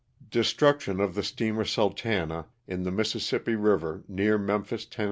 Destruction of the Steamer '* Sultana^' in the Mississippi River, near Memphis, Tenn.